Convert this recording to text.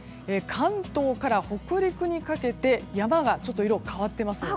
関東から北陸にかけて山が、ちょっと色が変わっていますよね。